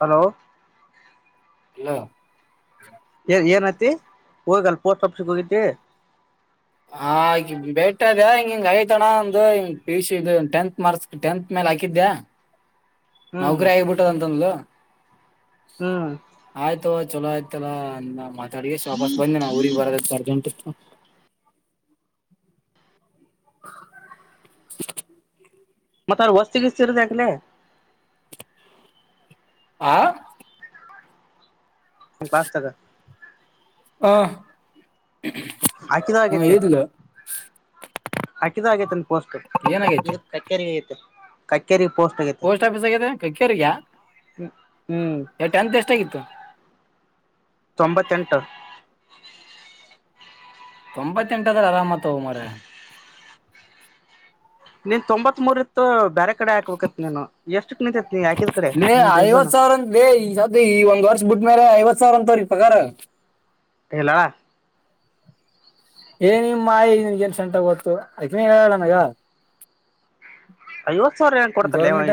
Hello hello ಏ ಏನತಿ ಹೋಗಲ್ ಪೋಸ್ಟ್ ಆಫೀಸಗೆ ಹೋಗಿತಿ ಹ ಬೇಟ ಹಿಂಗ ಹಿಂಗ್ ಐ್ತಣ ಒಂದು ಹಂಗ್ P U C tenth marks tenth ಮೇಲೆ ಹಾಕಿದ್ದ್ಯಾ ಹ್ಮ್ ನೌಕರಿ ಆಗಿಬಿಟ್ಟದಂತಂದವಾ ಹ್ಮ್ ಆಯ್ತು ಚಲೋ ಆಯ್ತಲ್ಲ ಅ ಅಡಗೇಶ ಶ ವಾಪಸ್ ಬಂದ ನ ಅವ್ರಿಗೆ ಬರೋದ ಅರ್ಜೆಂಟ್ [inaudible] ಮತ್ತ ಅವ್ರರು ಹೊಸ್ತಿಗೆಸ್ತಿರದ ಯಾಕ್ಲೆ ಆ ಪಾಸ ತಕಾ ಹಾ ಹಾಕಿದ ಹಾ ಆಗೈತೆ ಏದಿಲ್ಲ ಹಾಕಿದ ಆಗೇತಂತೆ ಕೋಸ್ತ ಇದು ಕಕ್ಕರಿಗ ಐತೆ ಕಕ್ಕೇರಿ ಪೋಸ್ಟ್ ಆಫೀಸ್ ಆಗಿದೆ ಕಕ್ಕೇರಿಗ ಹ್ಮ್ ಟೆಂತ್ ಎಷ್ಟ ಅಗಿ ಎಷ್ಟಾಗಿತ್ತು ತೊಂಬತ್ತೆಂಟು ತೊಂಬತ್ತೆಂಟಾದ್ರ ಅರಾಮತ್ವ ಮರಯ್ಯ ನಿನ್ ತೊಂಬತ್ತ್ ಮೂರ್ ಇತ್ತು ಬೇರೆ ಕಡೆ ಹಾಕ್ಬೇಕತಿ ನೀನು ಎಷ್ಟು ನಿಂತತೈತ್ ನೀ ಯಾಕಿದ್ ಕಡೆ ಲೇ ನಿಮ ರೀಸನ್ ಐವತ್ ಮೇಲೆ ಐವತ್ ಸಾವಿರ ಅಂತವ್ರೀ ಪಗರ ಹಲ್ಲಳ ಏ ನಿಮ್ ಮಾಯಿ ನಿಮ ಜನ್ ಸಂಟ ಗೊತ್ತು ಅಕನೆ ಹೇಳಳ ನನಗ ಐವತ್ ಸಾವಿರ ಏನ್ ಕೊಡ್ತಾರಲ ಗೌರ್ಮೆಂಟ್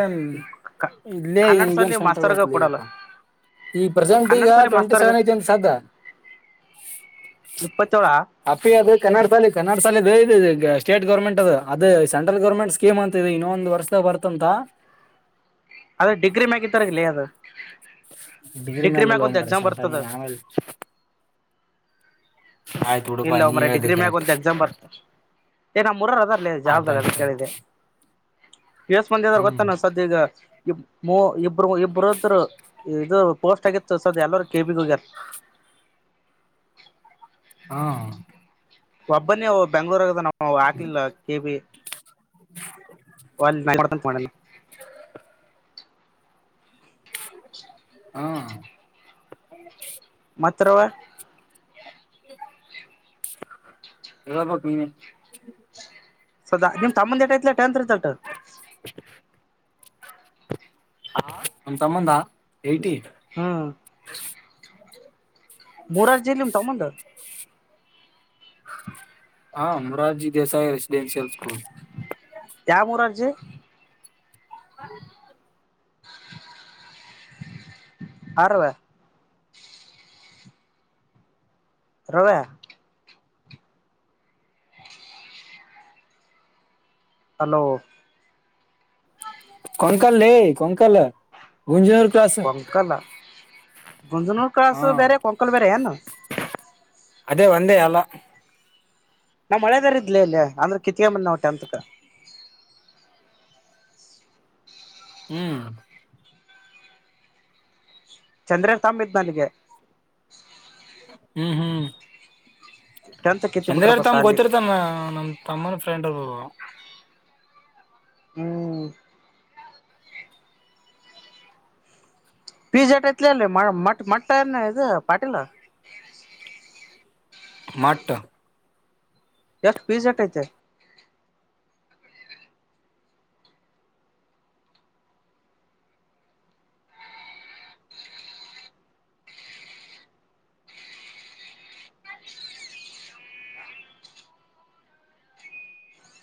ಇಲ್ಲೇ ಕನ್ನಡ ಸಾಲಿ ಮಾಸ್ತರ್ಗ ಸೆಂಟರ್ ಕೊಡಲ್ಲ ಈ ಪ್ರೆಸೆಂಟ್ ಕನ್ನಡ ಈಗ ಸಾಲಿ ಟ್ವೆಂಟಿ ಮಾಸ್ತರ್ಗ ಸೆವೆನ್ ಐತಿಂತ ಸ್ದದ್ದ ಇಪ್ಪತ್ತೇಳ ಅಪ್ಪಿ ಕನ್ನಡ ಶಾಲೆ ಕನ್ನಡ ಶಾಲೆ ಸ್ಟೇಟ್ ಗರ್ಮೆಟ್ ಅದು ಸಂಟ್ರಲ್ ಗೌರ್ಮೆಟ್ ಸ್ಕೀಮ್ ಅಂತ ಇನ್ನೊ ಒಂದು ವರ್ಷ ಬರ್ತಂತ ಅದೇ ಡಿಗ್ರಿ ಮಗಿತ್ತಾರಲಿ ಅದು ಡಿಗ್ರಿ ಮೇಲ್ಲ ಮ್ಯಾಗ ಲ್ ಒಂದ್ ಮಾರಾಯ ಎಕ್ಸಾಮ್ ಅಂತ ಬರ್ತದ ಆಮೇಲೆ ಆಯ್ತು ಬಿಡಪಾ ಇಲ್ಲ ಒ ನೀ ಮ್ರ ಹೇಳ್ದೆ ಡಿಗ್ರಿ ಮ್ಯಾಗ ಕರೆಕ್ಟ್ ಒಂತ ಎಕ್ಸಾಮ್ ಬರ್ತ ಏ ನಮ್ಮ್ಊರರ್ ಅದ ಅಲ್ಲಿ ಜವಾಬ್ದಾರೀ ಅದ ಆಯ್ತಾಯ್ತು ಆಯ್ತು ಕೇಳಿದೆೆ ಎಸ ಮಂದಿ ಅದರು ಹ್ಮ್ ಗೊತ್ತಾನ ಸದ್ಯ ಈಗ ಇ ಮೂ ಇಬ್ರು ಇಬ್ರದ ಇದು ಪೋಸ್ಟ್ ಆಗಿತ್ತು ಸದ್ ಎಲ್ಲರ ಕೆ ಪಿ ಗ ಹೋಗ್ಯರ. ಹಾ ಒಬ್ಬನ ಬೆಂಗ್ಳೂರ ನ ಆಟ್ಲ್ಲ ಕೇಬಿ [inaudible] ಒನ್ [unintelligible] ಹಾ ಮಾತ್ರವ ಹೇಳಬೇಕ ನೀ ಸದಾ ನಿಮ್ ತಮ್ಮಂದ ಏಟ್ಟ ಐತಿಲೆ ಟೆಂತ್ ರಿಸಲ್ಟ್ ಹಾ ನಿಮ್ಮ ತಮ್ಮಂದಾ ಹ್ಮ್. ಮುರಾರ್ಜಿ ಇಲ್ಲ ನಿಮ್ಮ ತಮ್ಮಂದ ಹ ಮುರಾರ್ಜಿ ದಸಾಯ ರೆಸಿಡೆನ್ಸಿಯಲ್ ಸ್ಕೂಲ್. ಯಾ ಮುರಾರ್ಜಿ. [inaudible] ಆರವ ರವೆ ಹಲೋ. ಕಂಕಲ್ ಲೆ ಕಂಕಲ್ ಗುಂಜನರು ಕೊಂಕಲ ಗುಂಜನೂರು ಕ್ರಾಸು ಹಾ ಬೇರೆ ಕೊಂಕಲ್ ಬೇರೆ ಏನ ಅದೇ ಒಂದೇ ಎಲ್ಲಾ ನಾ ಮಳೆದಾರ ಇದ್ಲ ಅಲ್ಲಿ ಅಂದ್ರೆ ಕಿತ್ಗೆ ಮಂದ ಟೆಂತ್ ಕ ಹ್ಮ್. ಚಂದ್ರ ತಂಬ ಇದ್ದ ನನಗೆ ಹ್ಮ್ ಹ್ಮ್. [inaudible] ಕಿತ್ತಿ ಚಂದ್ರ ಬಿಟ್ರಪ್ಪ ತಮ್ಮ ಸಾಲಿ ಗೊತ್ತಿರ್ತಾನ ನಮ್ ತಮ್ಮನ್ ಫ್ರೆಂಡ್ [inaudible] ಹ್ಮ್. ಪಿಜ್ಜಾಹಟ್ ಐತಿಲೆ ಅಲ್ಲ ಮ ಮ ಮಟ್ಟನ್ ಇದ ಪಾಟೀಲ. ಮಟ್ಟ ಎಷ್ಟು ಪೀಜ ಎಟ್ ಐತಿ.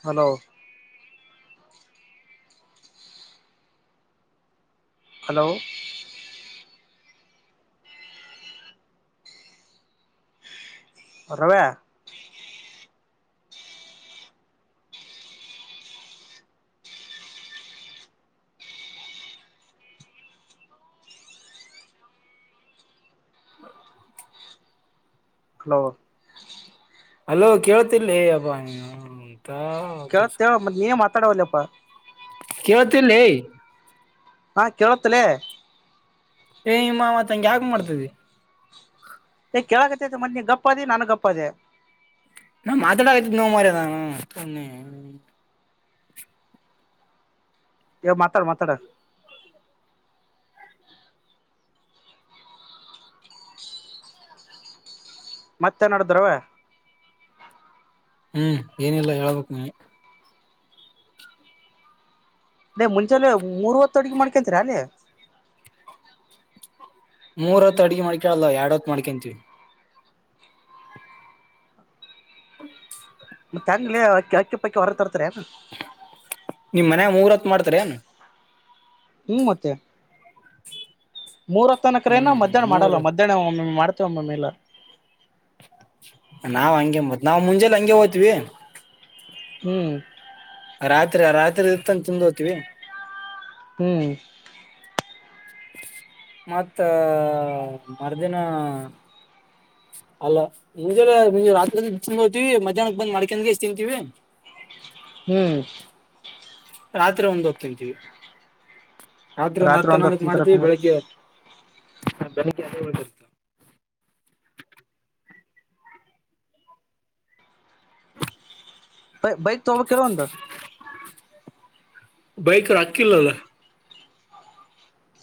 ಹಲೋ ಹಲೋ ರವ್ಯ [inaudible] ಹಲೋ ಹಲೋ ಕೇಳ್ತಿಲೆ ಅಬ್ಬಾ. ಕ ನಿಯಮ [inaudible] ಕಡಲಪ್ಪ [inaudible] ಕೇಳ್ತಿಲ್ಲೇ. ಹಾ ಕೇಳುತ್ತಲೇ. ಏ ನಿಮ್ಮ ಮತ್ಂಗಗೆ ಯಾಕ ಮಾಡ್ತದೆ. ಕೆೇಳಕತ್ತತೆ ಮತ್ತೆ ನೀ ಗಪ್ಪ ಅದೇ ನಾನು ಗಪ್ಪ ಆದೆೇ. ನಾ ಮಾತಾಡಕತ್ನಿಡ್ನೋ ಮಾರಿಯಾ ನಾನು. ಏ ಮಾತಾಡ ಮಾತಾಡ ಮತ್ತೆ ನಡದ್ರವ ಹ್ಮ್ ಏನಿಲ್ಲ ಹೇಳ್ಬೇಕ್ ನೀವು. ಏ ಮುಂಚೆಲ್ಲ ಮೂರ್ವತ್ತು ಅಡುಗಿ ಮಾಡ್ಕೊಂತೀರ ಅಲ್ಲಿ. ಮೂರ ಹೊತ್ತ ಅಡ್ಗೆ ಮಾಡ್ಕಳಲ್ಲ ಎರಡ್ ಹೊತ್ತ ಮಾಡ್ಕೊಂತೀವಿ. ಮತ್ತೆ ಹೆಂಗ್ಳೆ ಅಕ್ಕಿ ಪಕ್ಕಿ ಹೊರತರ. [unintelligible] ಮೂರ ಹೊತ್ತ ಮಾಡ್ತಾರಿಯಾನ್. ಹೂ ಮತ್ತೆ. ಮೂರ ಹೊತ್ತ ಅನ್ನಕರೇನ ಹ್ಮ್ ಮದ್ಯಾಹ್ನ ಮಾಡಲ್ಲ ಮೂರ್ ಮದ್ಯಾಹ್ನ ಒಮ್ಮೆ ಒಮ್ಮೆ. ಮತ್ತ ಒಮ್ಮಮ್ಮೆ ಇಲ್ಲ. ನಾವ್ ಹಂಗೆ ಮತ್ ನಾವು ಮುಂಜೆಲಿ ಹಂಗೆ ಹೋತವಿ. ಹ್ಮ್ ರಾತ್ರಿ ಆ ರಾತ್ರಿ ಇತ್ತಂತ ತಿಂದ ಹೋಗ್ತೀವಿ. ಹ್ಮ್ ಮತ್ತ ಮರ್ದಿನ ಅಲ್ಲ ಮುಂಜಾಲೆ ರಾತ್ರಿ ತಿಂದ ಹೋಗತೀವಿ ಮಧ್ಯಾಹ್ನಕ್ ಬಂದ್ ಮಾಡ್ಕಂದಗೆ ಇಷ್ಟ ತಿಂತೀವಿ. ಹ್ಮ್ ರಾತ್ರಿ ಒಂದ ಹೊತ್ತ ತಿಂತೀವಿ ಆದ್ರ ಒಂದ್ ರಾತ್ರಿ ಹತ್ತು ಹತ್ತನ್ನೊಂದಕ್ ತಿಂತಾರ ಮಾಡ್ತೀವಿ ಬೆಳಿಗ್ಗೆ. ಹಾ ಬೆಳಿಗ್ಗೆ ಎದ ಒಳಗ ಇರುತ್ತು [inaudible] ಭೈ ಭೈ ತೊಗೊತಿ ಒಂದ್ ಬೈಕ ರಕ್ಕಿಲ್ಲ ಅಲ್ಲ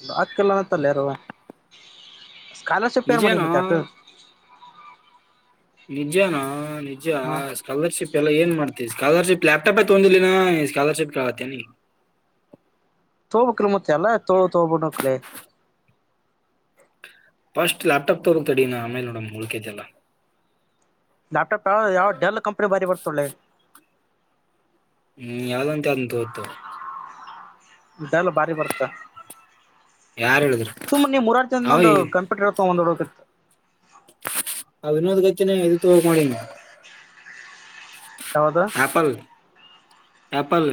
ರೊಕ್ಕ ಇಲ್ಲತ್ತಲ್ಲಾರವಾ. ಸ್ಕಾಲರ್‌ಶಿಪ್ ಯಾರ [inaudible] ನಿಜಾನೋ ಮ ಚಟು ನಿಜಾನ ನಿಜ ಹಾ ಸ್ಕಾಲರ್‌ಶಿಪ್ ಲೆ ಏನ್ ಮಾಡ್ತತಿವಿ ಸ್ಕಾಲರ್‌ಶಿಪ್ ಲ್ಯಾಪ್ಟಾಪೇ ತೂಗಂದಿಲ್ಲಿನ ಸ್ಕಾಲರ್ಶಿಪ್ ಕೇಳತಿಯೇನ್. ತೊಗೊಬ್ಕ್ಕಲ ಮತ್ತೆ ಅಲ್ಲ ತೊಗೊಂಡ ತೂಗೋಬೇಕ್ ಕಲೇ ಫಸ್ಟ್ ಲ್ಯಾಪ್ಟಾಪ್ ತಗೋಕ್ತಡ ನ ಆಮೇಲೆ ನೋಡ ಉಳಕಿದ್ದೆಲ್ಲ. ಲ್ಯಾಪ್ಟಾಪ್ ಯಾವ ಯಾವ ಡೆಲ್ ಕಂಪ್ನಿ ಬಾರಿ ಬರ್ತಾವ್ಲೆ. ಹ್ಮ್ ಯಾವ್ದಂತ ಅಂತು ಅದನ್ ತೊಗೊತೆನ್ ತೊಗೊ. ಡೆಲ್ ಬಾರಿ ಬರುತ್ತ ಯಾರ್ ಹೇಳಿದ್ರು ಸುಮ್ ನೀ ಮೂರಗ್ ಜನದ ಅವ ಒಂದು ಕಂಪ್ಯೂಟರ್ ತೊಗೊಂಡಬರಬೇಕಿಲ್ಲ ಹತ್ತು [unintelligible] [unintelligible] ಯಾವ್ದು ಆಪಲ್ ಆಪ್ಪಲ್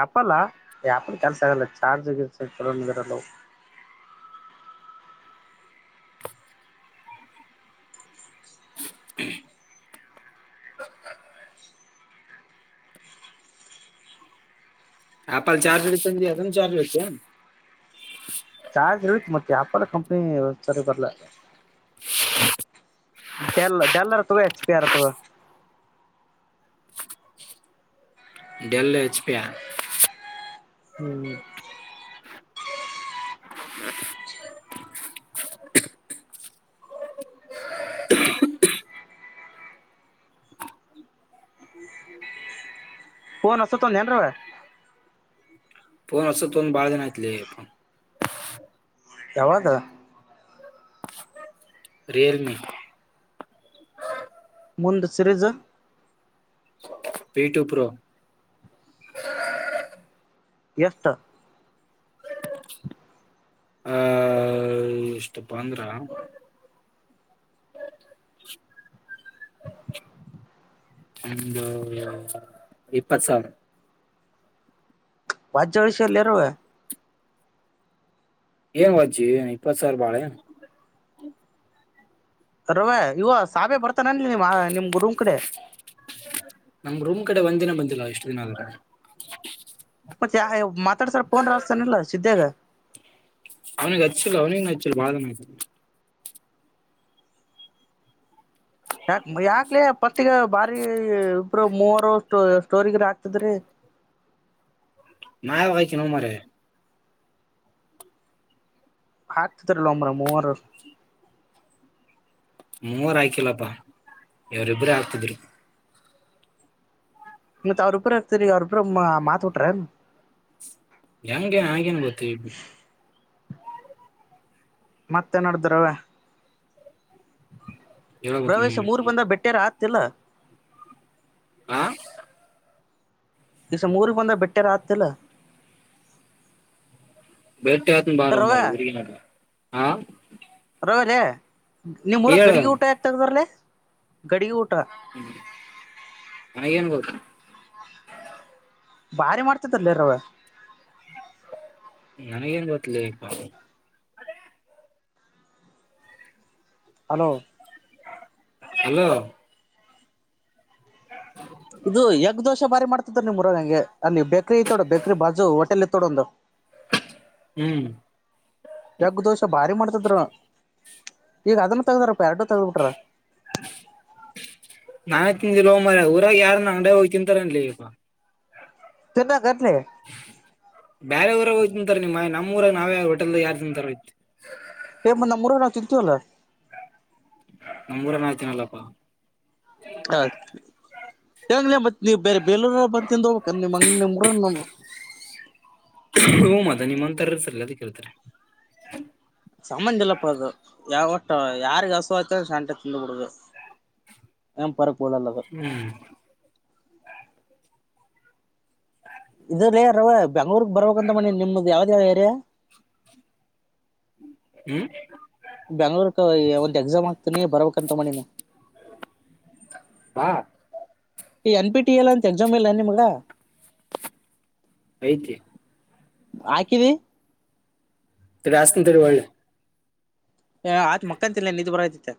ಆಪಲ್ಲಾ ಆಪಲ್ ಕೆಲ್ಸ ಆಗಲ್ಲ ಚಾರ್ಜ್ನ ಚುಚ್ಚಬೇಕು [unintelligible] [inaudible] ಆಪಲ್ ಚಾರ್ಜರ್ಲ್ಲಿ ತಂದಿದ್ದೀಯಾ ಅದನ್ನು ಚಾರ್ಜರ್ತ್ತು ಚಾರ್ಜ್ ಹೇಳತ್ತು ಮತ್ತೆ ಆಲ್ಲ ಕಂಪನಿ ಸರಿ ಬರ್ಲ ಡೆಲ್ ಡೆಲ್ಲರ್ ತಗ ಹೆಚ್ ಪಿ ಯಾರ ತಗೋ ಡೆಲ್ ಎಚ್ ಪಿ ಹ್ಮ್ [inaudible] ಫೋನ್ ಹೊಸ ತೊಂದ ಏನಾದ್ರೂ ಪ ಅ ತೊಂದು ಬಾಳ ದಿನ ಆಯ್ತು ಯಾವಾಗ ರಿಯಲ್ಮಿ ಮುಂದ ಸಿರಜು ಬೀಟು ಪ್ರೊ ಎಷ್ಟು [inaudible] ಆ ಎಷ್ಟಪ್ಪ ಅಂದ್ರ ಒಂದು ಇಪ್ಪತ್ ಸಾವಿರ ವಾಜ್ ವಷ ಎಲ್ಲರ ಏನ್ ವಜ್ ಏನ್ ಇಪ್ಪತ್ ಸಾವಿರ ಬಾಳೆ ರವಿ ಇವ ಸಾಬೆ ಬರ್ತ ನಿ ನಿಮ್ ರೂಮ್ ಕಡೆ ನಮ್ ರೂಮ್ ಕಡೆ ಒಂದ್ ದಿನ ಬಂದಿಲ್ಲ ಎಷ್ಟು ದಿನ ಆದ್ರೂ ಮತ್ತ ಯ ಮಾತಾಡ್ಸರ್ ಪೋನ್ ಹಚ್ತಾನಲ್ಲ ಸಿದ್ದಾಗ ಅವನಿಗೆ ಅಚ್ಚಲ್ಲ ಅವನಿಗೆ ಅಚ್ಚಲ್ಲ ಬಾಳ ದಿನ ಆಯ್ತು ಯಾಕ್ ಯಾಕ್ಲ ಪತ್ತಗ ಬಾರಿ ಇಬರು ಮೂವರು ಸ್ಟೋ ಸ್ಟೋರಿಗರ ಹಾಕಿದ್ರಿ ನಾ ಯಾವಾಗ ಹಾಕಿದೀನಿ ಮಾರಾಯ ಹಾತತಿರ್ಲ್ ಒಂಬ್ರ ಮೂವರು ಮೂರ್ ಆಯ್ಕಿಲ್ಲಪ್ಪಾ ಇವರಿಬ್ಬರೇ ಆಗ್ತಿದ್ರು ಮತ್ ಅವ್ರ ಇಬ್ರೇ ಆಗ್ತರಿ ಅವ್ರ ಇಬ್ರೇ ಮಾತ್ ಬಿಟ್ರ ಏನು ಹೆಂಗೆ ಹಾಗೇನ್ ಗೊತ್ತವಿ ಮತ್ತೆ ನಡದ್ರಲ್ಲ ಹೇಳ್ಬೇಕ್ ನೀ ಪ್ರವೇಶ ಮೂರು ಬಂದ ಬೆಟ್ಟೆ ರಾತ್ ತಿಲ್ಲ ಹ ಈಸ ಊರಿಗೆ ಬಂದಾಗ ಬೆಟ್ಟಾರ ಆಗ್ತಿಲ್ಲ ಬೇಟೆ ಹತ್ತೀನಿ ಬಾರೋ ಮಾರಾಯ ಹಾ ಬರಿ ನಿಮ್ ಊರ ಹೇಳ ಗಡಿಗೆ ಊಟ ಏಕೆ ಆಗ್ತದರೀ ಗಡಗಿ ಊಟ. ನನಗೇನ್ ಗೊತ್ತ. ಭಾರಿ ಮಾಡ್ತಿದ್ದರ್ಲೆ ರವ್ಯಾ. ನನಗೇನ್ ಗೊತ್ತಲೇಪ. ಹಲೋ. ಹಲೋ. [unintelligible] ನಿಮ್ಮ ಊರಗ ಹಂಗೆ ಅಲ್ಲಿ ಬೇಕ್ರಿ ಇತ್ತೊ ಬೇಕ್ರಿ ಬಾಜು ಹೋಟೆಲ್ ಇತ್ತ ನೋಡ್ ಒಂದು. ಹ್ಮ್ ಯಗ ದೋಷೆ ಭಾರಿ ಮಾಡ್ತಿದ್ರ ಈಗ ಅದನ್ನ ತಗದಾರ. ಎರಡು ತೆಗೆದ ಬಿಟ್ರ್. ನಾ ತಿಂದಿಲ್ಲೋ ಮಾರಾಯಾ ಊರಾಗ ಯಾರನ ಅಂಗಡ್ಯಾಗ್ ಹೋಗಿ ತಿಂತಾರೆನ್ಲೆಪ್ಪಾ. [unintelligible] ಬ್ಯಾರೆ ಊರಾಗ ಹೋಗ ತಿಂತಾರ್ ನಿಮ್ಮ ಆಯಿ ನಮ್ಮ ಊರಾಗ ನಾವ ಯಾರ ಹೋಟೆಲ್ದಾಗ್ ಯಾರ್ ತಿಂತರೋಯ್ತಿ. ಎ ಯಪ್ಪ ನಮ್ಮ ಊರಾಗ ನಾವ್ ತಿಂತೀವ್ ಅಲ್ಲ. ನಮ್ ಊರಾಗ್ ನಾವ್ ತಿನ್ನಲ್ಲಪ್ಪಾ. ಆ ಎನ್ಲೆ ನೀ ಮತ್ತ್ ನೀವ್ ಬೇರೆ ಬೇಲೂರಲ್ಲ ಬಂದ ತಿಂದ ಹೋಗ್ಬೇಕೆನ್ ನಿಮ್ಮ ಅಂಗ ನಿಮ್ಮೂರಾಗ ನಾನು. ಅದ ನಿಮ್ಂತರ್ಸಲ್ಲ ಅದ ಕೇಳ್ತಾರೆ. ಸಮಂಧ ಇಲ್ಲಪ್ಪ ಅದು ಯಾವಟ್ಟ ಯಾರಿಗೆ ಹಸು ಆತದ [unintelligible] ತಿಂದ ಬಿಡುದು ಏನ್ ಪರಕ ಹ್ಮ್ ಇದುಲೇ ರವ್ಯಾ ಬೆಂಗ್ಳೂರ್ ಬರ್ಬೇಕಂತ ಮಾಡಿನಿ ನಿಮ್ದ ಯಾವ್ದ ಹೇಳ್ ಏರಿಯಾ? ಹ್ಮ್ ಬೆಂಗಳೂರ್ಕ ಎ ಒಂದ್ ಎಕ್ಸಾಮ್ ಹಾಗ್ತೀನಿ ಬರ್ಬೇಕಂತ ಮಾಡಿನಿ. ಬಾ ಈ ಎನ್ ಪಿ ಟಿ ಎಲ್ ಅಂತ ಎಕ್ಸಾಮ್ ಇಲ್ಲ ಏನ್ ನಿಮಗ? ಐಯ್ತಿ. ಹಾಕಿದಿ? ತಡಿ ಹಸ್ತನ ತಡಿ ಹೊಳ್ಳಿ. ಹ್ ಆತ್ ಮಕ್ಕತಿನಿಲೆ ನಿದ್ದಿ ಬರತೈತಿ.